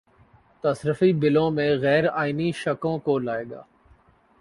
تصرفی بِلوں میں غیرآئینی شقوں کو لائے گا